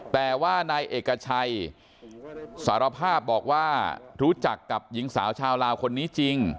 แต่ว่านายเอกชัยสารภาพบอกว่ารู้จักกับหญิงสาวชาวลาวคนนี้จริง